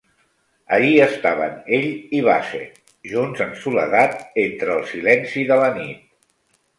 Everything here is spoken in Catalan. Allí estaven ell i Basset, junts en soledat entre el silenci de la nit.